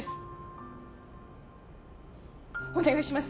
お願いします！